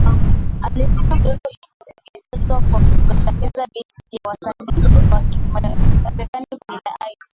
Alitumia mdundo iliyotengenezwa kwa kugandamizia beat ya msanii wa Kimarekani Vanilla Ice